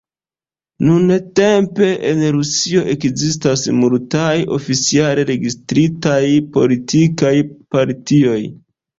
Nuntempe en Rusio ekzistas multaj oficiale registritaj politikaj partioj.